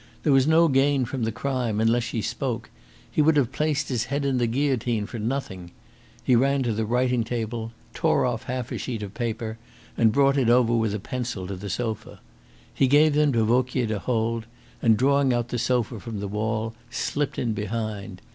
There was no gain from the crime unless she spoke. He would have placed his head in the guillotine for nothing. He ran to the writing table, tore off half a sheet of paper, and brought it over with a pencil to the sofa. He gave them to Vauquier to hold, and drawing out the sofa from the wall slipped in behind.